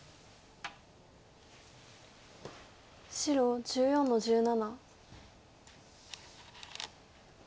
白１４の十七。